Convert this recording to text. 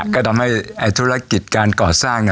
ก็ทำให้ธุรกิจการก่อสร้าง